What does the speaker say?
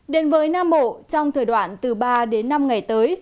đến với nam bộ trong thời đoạn từ ba đến năm ngày tới